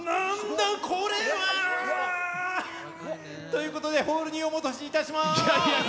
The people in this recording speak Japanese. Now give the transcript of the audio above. ということでホールにお戻しします。